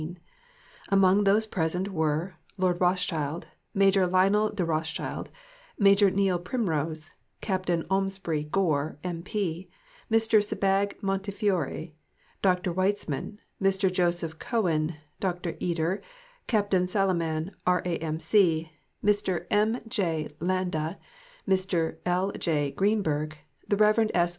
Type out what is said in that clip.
Among those present were: Lord Rothschild, Major Lionel de Rothschild, Major Neil Primrose, Captain Ormsby Gore, M.P., Mr. Sebag Montefiore, Dr. Weizmann, Mr. Joseph Cowen, Dr. Eder, Captain Salaman, R.A.M.C., Mr. M. J. Landa, Mr. L. J. Greenberg, the Rev. S.